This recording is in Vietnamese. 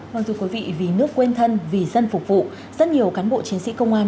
vâng thưa quý vị vì nước quên thân vì dân phục vụ rất nhiều cán bộ chiến sĩ công an